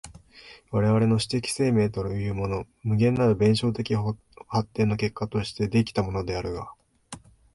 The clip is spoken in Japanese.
我々の種的生命というものも、無限なる弁証法的発展の結果として出来たものであるが、